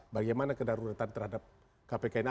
bagaimana kedaruratan terhadap kpk ini